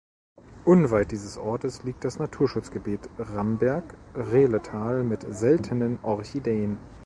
Unweit des Ortes liegt das Naturschutzgebiet Ramberg-Rehletal mit seltenen Orchideen.